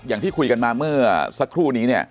อย่างที่คุยกันมาเมื่อสักครู่นี้